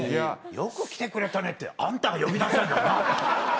「よく来てくれたね」ってあんたが呼び出したんだよな。